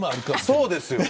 そうですよ。